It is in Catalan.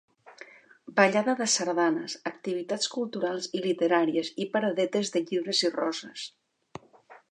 Ballada de sardanes, activitats culturals i literàries i paradetes de llibres i roses.